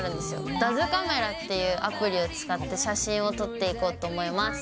ダズカメラっていうアプリを使って、写真を撮っていこうと思いま